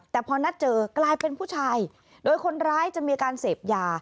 แต่พอนัดเจอกลายเป็นผู้ชายโดยคนร้ายจะมีอาการเสพยา